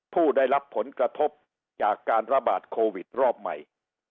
ผู้ได้รับผลกระทบจากการระบาดโควิดรอบใหม่